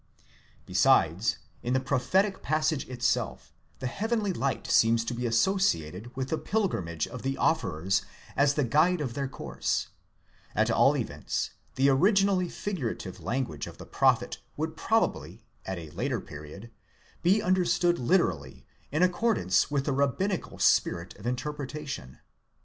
* Besides, in the prophetic passage itself, the heavenly light seems to be associated with the pilgrimage of the offerers as the guide of their course ; at all events the originally figurative language of the prophet would probably, at a Jater period, be understood literally, in accordance with the rabbinical spirit of interpretation.